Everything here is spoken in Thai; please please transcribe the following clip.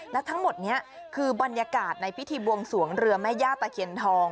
และทั้งหมดนี้คือบรรยากาศในพิธีบวงสวงเรือแม่ย่าตะเคียนทอง